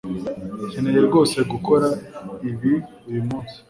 nkeneye rwose gukora ibi uyu munsi